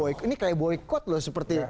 ini kayak boykot loh seperti